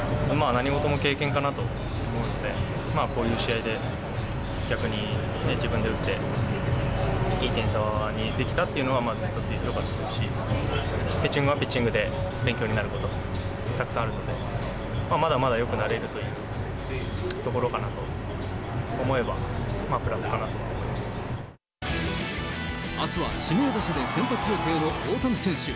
何事も経験かなと思うので、こういう試合で逆に自分で打って、いい点差にできたっていうのは、一つよかったですし、ピッチングはピッチングで勉強になること、たくさんあるので、まだまだよくなれるというところかなと思えば、プラスかなとは思あすは指名打者で先発予定の大谷選手。